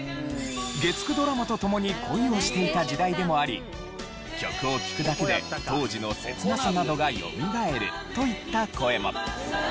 月９ドラマとともに恋をしていた時代でもあり曲を聴くだけで当時の切なさなどが蘇るといった声も。